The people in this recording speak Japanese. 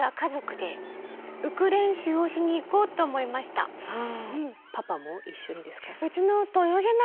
まずはパパも一緒にですか？